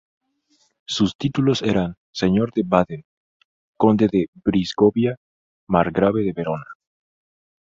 Sus títulos eran: Señor de Baden, Conde de Brisgovia, margrave de Verona.